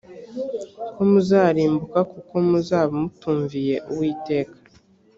ko muzarimbuka kuko muzaba mutumviye uwiteka